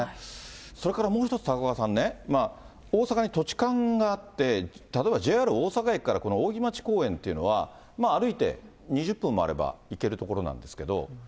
それからもう１つ、高岡さんね、大阪に土地勘があって、例えばＪＲ大阪駅から扇町公園というのは、歩いて２０分もあれば、行ける所なんですけど。